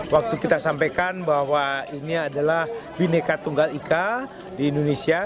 waktu kita sampaikan bahwa ini adalah bineka tunggal ika di indonesia